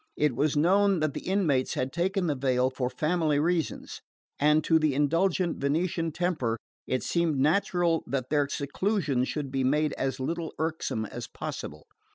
It was known that the inmates had taken the veil for family reasons, and to the indulgent Venetian temper it seemed natural that their seclusion should be made as little irksome as possible.